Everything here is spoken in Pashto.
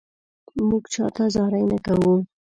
مونږ چاته زاري نه کوو